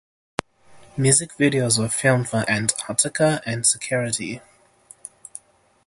Music videos were filmed for "Antarctica" and "Security".